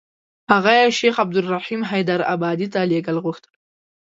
هغه یې شیخ عبدالرحیم حیدارآبادي ته لېږل غوښتل.